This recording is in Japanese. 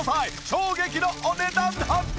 衝撃のお値段発表です！